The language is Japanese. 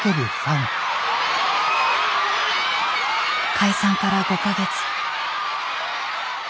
解散から５か月。